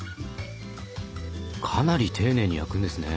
かなり丁寧に焼くんですね。